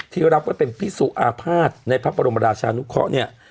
รับไว้เป็นพิสุอาภาษณ์ในพระบรมราชานุเคราะห์เนี่ย